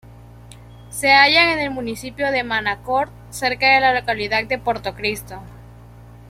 Se hallan en el municipio de Manacor, cerca de la localidad de Porto Cristo.